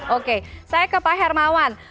oke saya ke pak hermawan